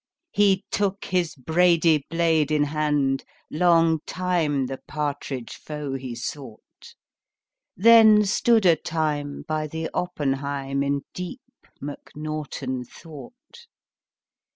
He took his brady blade in hand; Long time the partridge foe he sought. Then stood a time by the oppenheim In deep mcnaughton thought.